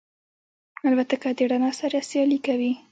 الوتکه د رڼا سره سیالي کوي.